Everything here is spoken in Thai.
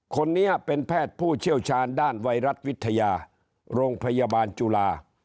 คนนี้เป็นแพทย์ผู้เชี่ยวชาญด้านไวรัสวิทยาโรงพยาบาลจุฬา